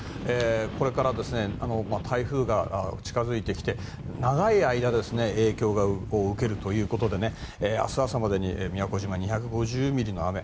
これから台風が近づいてきて長い間影響を受けるということで明日朝までに宮古島２５０ミリの雨。